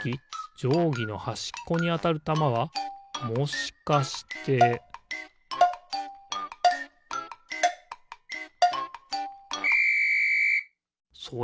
じょうぎのはしっこにあたるたまはもしかしてピッ！